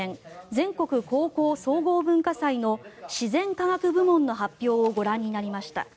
全国高校総合文化祭の自然科学部門の発表をご覧になりました。